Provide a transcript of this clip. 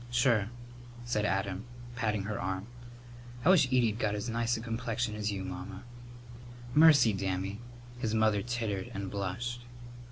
"Sure," said Adam, patting her arm. "I wish Edie'd got as nice a complexion as you, Mamma." "Mercy, Dammy!" his mother tittered and blushed.